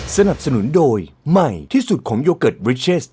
สนับสนุนโดยใหม่ที่สุดของโยเกิร์ตบริเชส